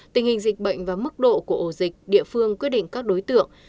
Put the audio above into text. tình hình dịch bệnh và mức độ của ổ dịch địa phương quyết định các đối tượng